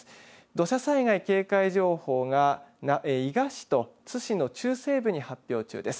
土砂災害警戒情報が伊賀市と津市の中西部に発表中です。